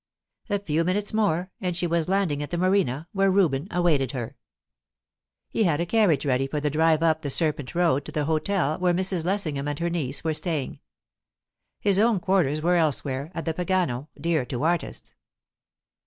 A few minutes more, and she was landing at the Marina, where Reuben awaited her. He had a carriage ready for the drive up the serpent road to the hotel where Mrs. Lessingham and her niece were staying. His own quarters were elsewhere at the Pagano, dear to artists.